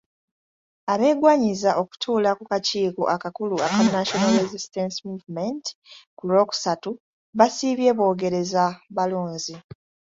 Abeegwanyiza okutuula ku kakiiko akakulu aka National Resistance Movement ku Lwokusatu basiibye boogereza balonzi.